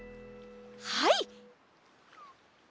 はい！